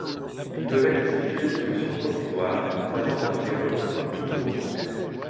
Ils devaient constituer une solution provisoire, en attendant le développement d'un tout nouveau concept.